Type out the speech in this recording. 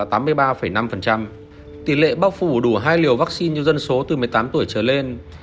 tỷ lệ bao phủ đủ hai liều vaccine cho dân số từ một mươi tám tuổi trở lên